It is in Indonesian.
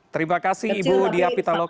terima kasih ibu diapitaloka